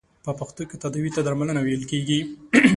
په پښتو کې تداوې ته درملنه ویل کیږی.